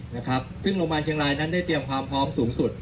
นะครับซึ่งโรงพยาบาลเชียงรายนั้นได้เตรียมความพร้อมสูงสุด